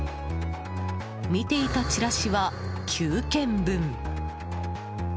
見ていたチラシは、９軒分。